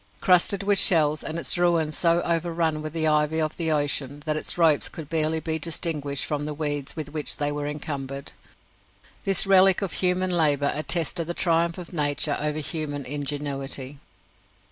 Crusted with shells, and its ruin so overrun with the ivy of the ocean that its ropes could barely be distinguished from the weeds with which they were encumbered, this relic of human labour attested the triumph of nature over human ingenuity.